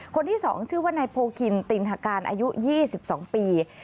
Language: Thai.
คนที่๒ชื่อว่านายโพคินตินหาการอายุ๒๒ปี